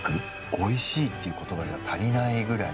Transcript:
おいしいっていう言葉じゃ足りないくらい。